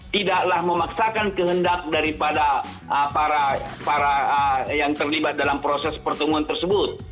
tidaklah memaksakan kehendak daripada para yang terlibat dalam proses pertemuan tersebut